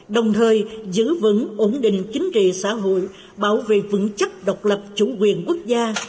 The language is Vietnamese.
đồng thời giữ vững ổn định chính trị xã hội bảo vệ vững chắc độc lập chủ quyền quốc gia